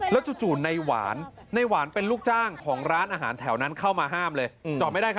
แล้วจู่ในหวานเป็นลูกจ้างของร้านอาหารแถวนั้นเข้ามาห้ามเลย